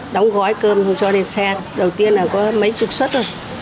đóng gói cơm cho đến xe đầu tiên là có mấy chục xuất rồi